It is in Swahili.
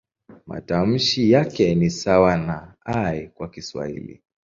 Matamshi yake ni sawa na "i" kwa Kiswahili.